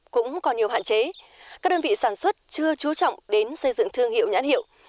cũng còn nhiều hạn chế các đơn vị sản xuất chưa trú trọng đến xây dựng thương hiệu nhãn hiệu